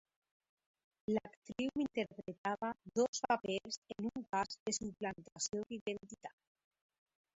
L’actriu interpretava dos papers en un cas de suplantació d’identitat.